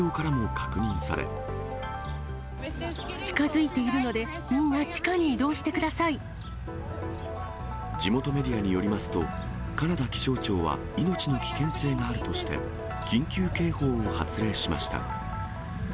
近づいているので、地元メディアによりますと、カナダ気象庁は、命の危険性があるとして、緊急警報を発令しました。